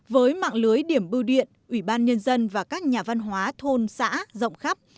với mạng lưới điểm bưu điện ủy ban nhân dân và các nhà văn hóa thôn xã rộng khắp